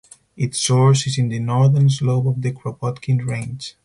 Its source is in the northern slope of the Kropotkin Range.